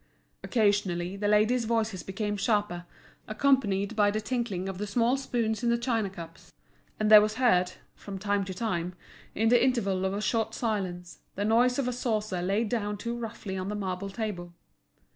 Occasionally the ladies' voices became sharper, accompanied by the tinkling of the small spoons in the china cups; and there was heard, from time to time, in the interval of a short silence, the noise of a saucer laid down too roughly on the marble table.